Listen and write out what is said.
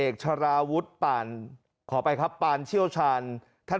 คว่างจักรพรุ่งแหลน